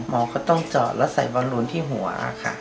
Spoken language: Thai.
มองเขาต้องจอดแล้วใส่บังรุนที่หัวค่ะ